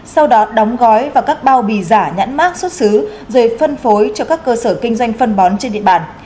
sau đó đóng gói và các bao bì giả nhãn mát xuất xứ rồi phân phối cho các cơ sở kinh doanh phân bón trên địa bàn